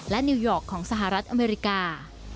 และนิวยอร์กของสหรัฐอเมริกา